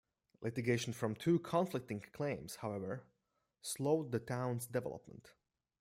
Litigation from two conflicting claims, however, slowed the town's development.